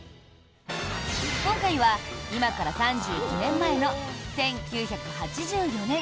今回は今から３９年前の１９８４年。